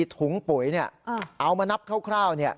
ถุงปุ๋ยเอามานับคร่าว